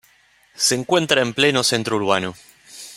Se encuentra en pleno centro urbano.